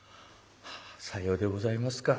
「さようでございますか。